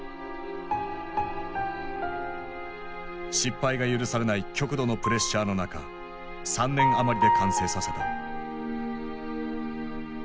失敗が許されない極度のプレッシャーの中３年余りで完成させた。